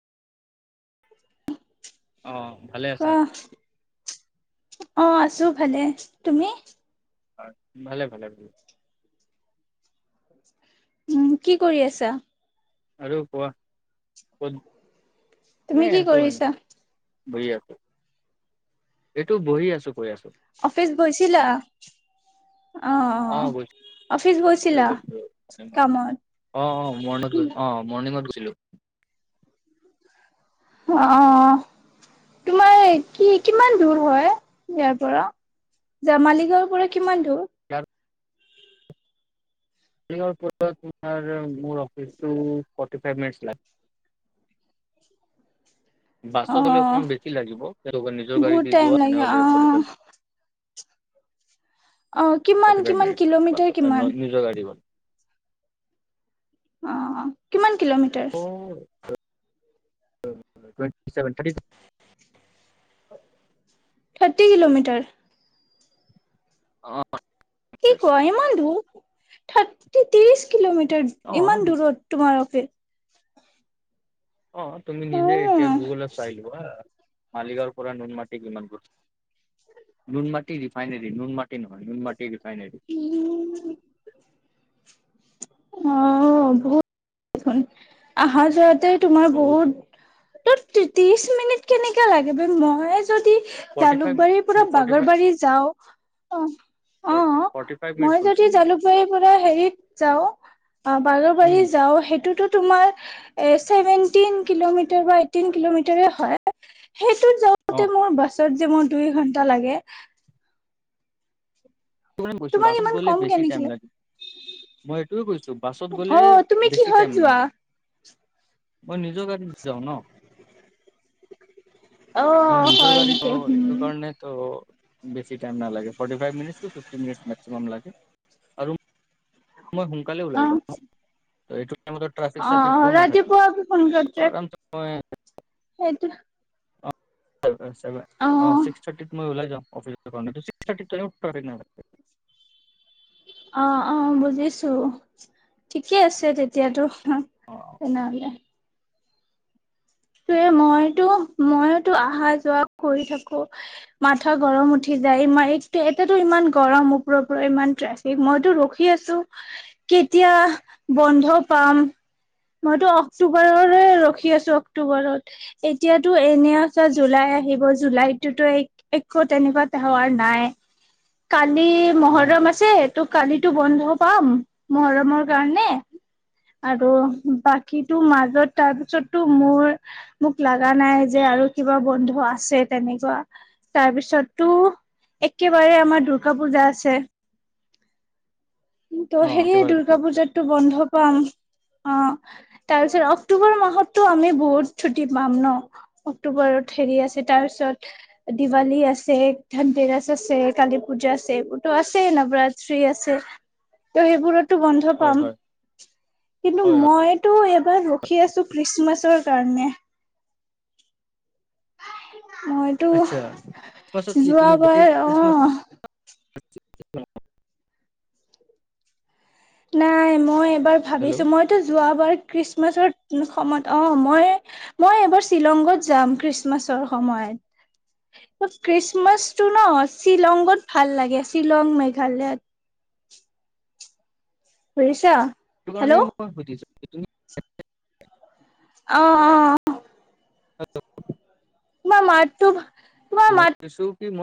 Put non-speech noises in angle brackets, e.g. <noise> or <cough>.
অ ভালে কোৱা আছা। অ আছো ভালে, তুমি। হয়, ভালে ভালে ভাল। উম কি কৰি আছা। আৰু কোৱা, কত এনে তুমি কি আছো মানে কৰিছা। বহি আছো। এইটো বহি আছো। কৈ আছো অফিচ গৈছিলা, অ অঅ। কামত <unintelligible> <unintelligible> অ-অ। তোমাৰ কি কিমান দূৰ হয়, ইয়াৰ পৰা। য মালিগাঁওৰ পৰা কিমান দূৰ। <unintelligible> <inaudible> অ বাছত হ'লে অকণমান বেছি লাগিব তেওঁলোকে নিজৰ গাড়ী বহুত দি টাইম যোৱা লাগে অ তেনেহলে ফৰটিফাইব অ কিমান ফৰটিফাইভ কিমান কিলোমিটাৰ মিনিটত কিমান <unintelligible> অ অ কিমান কিলোমিটাৰ। <unintelligible> থাৰ্টি কিলোমিটাৰ অ কি কোৱা ইমান দূৰ থাৰ্টি ত্ৰিশ কিলোমিটাৰ অ ইমান দূুৰৰত তোমাৰ এক অ তুমি নিজে এতিয়া অ', গুগলত চাই লবা হ মালিগাঁৱৰ পৰা নুনমাটিক বিমানবোৰ নুন মাটি ৰিফাইনোৰী নুন মাটি নহয় নুন মাটি পাই নাইটি অ বহত আহাৰ যতে তোমাৰ বহুত ত ত্ৰিশ মিনিট কেনেকাে লাগে মই যদি ফৰ্টি ফাইভ জালুকবাৰীৰ পৰা ফৰ্টি ফাইভ বাগৰবাৰী যাও অ অ ফৰ্টি ফাইভ মিনিটছ মই গৈছো যদি জালুকবাৰীৰ পৰা হেৰিত যাও অ বাৰ বাৰি উম যাও সেইটোতো তোমাৰ এ চছেভেনটিন কিলোমিটাৰ বা এইটটিন কিলোমিটাৰ হয় সেইটোত অ যাওঁতে মোৰ বাছত যে মোৰ দুই ঘন্টা লাগে কিমান গৈছো। তোমাক বছত ইমান গ'লে কম বেছি কেনেকে টাইম লাগে। মই এইটোৱে কৈছো, বাছত গ'লে অ', তুমি বেছি কিহত টাইম নাই। যোৱা? মই নিজৰ গাড়ীত যাওঁ ন। অ মই নিজৰ হয় গাড়ীত নেকি যাবা পাৰি সেইটো উম কাৰণেটো বেছি টাইম নালাগে। ফৰ্টি ফাইভ মিনিট ফিফ মিন মেক্সিমাম লাগে। আৰু মই সোনকালে ওলাই লম। ত' এইটো টাইমত ট্ৰাফিক অ চাফিকো অ নাথাকে ৰাতিপুৱাক সোন তো ঘত ৰাখি আৰামছে মই সেইটো ভ অ অ ছিক্স থাৰটিতত মই ওলাই যওঁ ফিক্স থাৰিত ত উ অ অ বুজিছো ঠিকে আছে তেতিয়াতো অ তে নাললে তে মইতো মইতো অহা যোৱা কৰি থাকো মাথা গৰম উঠি ই মা একটো এতেতো ইমান গৰম, ওপৰৰ পৰা ইমান ট্ৰেফিক মইতো ৰখি আছোঁ। এতিয়া বন্ধ পাম। মইতো অক্টোবৰৰ পৰা ৰখি আছোঁ। অক্টোবৰত এতিয়াতো এনেই আছা, জুলাই আহিব জুলাইতোতো একো তেনেকুৱা <unintelligible> নাই কালি নাই মহৰম আছে ত' কালি বন্ধ হ'ব। পাম, মৰমৰ কাৰণে। আৰু বাকীটো মাজত তাৰপিছতটো মোৰ মোক লগা নাই যে আৰু কিবা বন্ধু আছে তেনেকুৱা। তাৰপিছতো একেবাৰে আমাৰ দুৰ্গা পূজা আছে। কিন্তু অ হেৰি এই, একেবাৰে দূৰ্গা পূজাতটো বন্ধ পাম। অহ। তাৰ পিছত অক্টোবৰ মাহতটো আমি বহুত ছুটি পাম ন, অক্টোবৰত হেৰি আছে। তাৰপিছত দিৱালী আছে, ধন তেৰাছ আছে, কালী পূজা আছে, এইবোৰতো আছে ন। <unintelligible> আছে। ত' সেইবোৰত বন্ধ হয় পাম। হয় কিন্তু হয় হয় মইতো এবাৰ ৰখি আছোঁ খ্ৰীষ্টমাছৰ কাৰণে। মইতো আচ্ছা ক্লাছত কি যোৱা তুমি গোটেই বাৰ, ক্ৰিছমাছ অহ। <unintelligible> নাই মই এবাৰ হেল্ল' ভাবিছোঁ, মইতো যোৱাবাৰ খ্ৰীষ্টমাছৰ সময়ত অহ'। মই মই এবাৰ শ্বিলংগত যাম খ্ৰীষ্টমাছৰ সময়ত। হয়। খ্ৰীষ্টমাছটো ন, শ্বিলংত ভাল লাগে, শ্বিলং মেঘালয়ত। <unintelligible> বুজিছা। সেইটো হেল্ল' কাৰণেই অ মই সুধিছোঁ। তুমি অহ', অহ'। <unintelligible> মই মাতটো তোমাৰ মই মাত শুনিছোঁ।